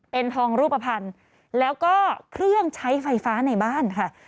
เป็นทองรูปภัณฑ์แล้วก็เครื่องใช้ไฟฟ้าในบ้านค่ะ